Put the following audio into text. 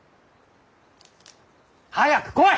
早く来い！